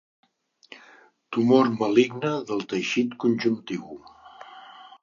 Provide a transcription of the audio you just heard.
Tumor maligne del teixit conjuntiu.